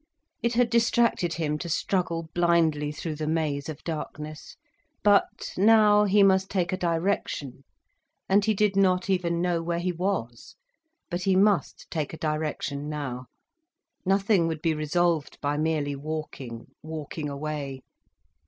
It had distracted him to struggle blindly through the maze of darkness. But now, he must take a direction. And he did not even know where he was. But he must take a direction now. Nothing would be resolved by merely walking, walking away.